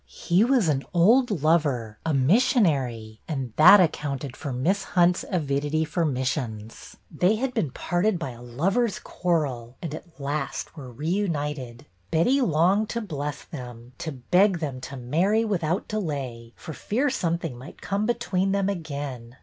He was an old lover, a missionary, and that accounted for Miss Hunt's avidity for missions. They had been parted by a lovers' quarrel and, at last, were reunited. Betty longed to bless them, to beg them to marry without delay for fear something might come between them again.